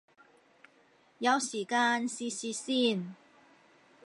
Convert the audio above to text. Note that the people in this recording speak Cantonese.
有時間試試先